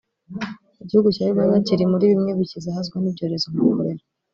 Igihugu cya Uganda kiri muri bimwe bikizahazwa n’ibyorezo nka kolera